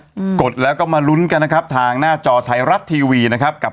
กดแล้วก็มาลุ้นกันนะครับทางหน้าจอไทยรัฐทีวีนะครับกับ